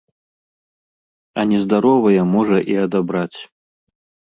А нездаровае можа і адабраць.